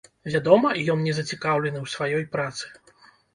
Вядома, ён не зацікаўлены ў сваёй працы!